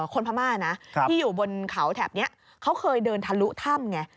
พม่านะที่อยู่บนเขาแถบนี้เขาเคยเดินทะลุถ้ำไง